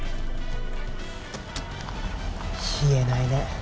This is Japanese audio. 言えないね。